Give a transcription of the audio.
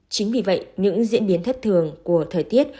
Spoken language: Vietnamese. chính vì vậy những diễn biến thất thường của thời tiết